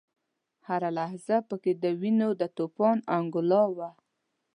هره لحظه په کې د وینو د توپان انګولا وه.